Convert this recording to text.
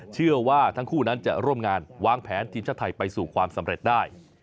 เชื่อว่าทั้งคู่นั้นจะร่วมงานวางแผนทีมชาติไทยไปสู่ความสำเร็จได้